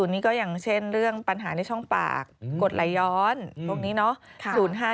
นี่ก็อย่างเช่นเรื่องปัญหาในช่องปากกดไหลย้อนพวกนี้เนาะ